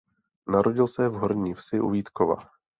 Narodil se v Horní Vsi u Vítkova.